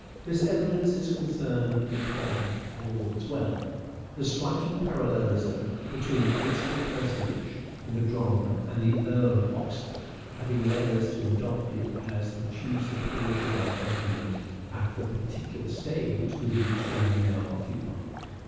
This evidence is concerned with the play, " All's Well "; the striking parallelism between the principal personage in the drama and the Earl of Oxford having led us to adopt it as the chief support of our argument at the particular stage with which we are now occupied.